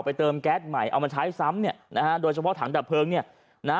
ไปเติมแก๊สใหม่เอามาใช้ซ้ำโดยเฉพาะถังดับเพลิง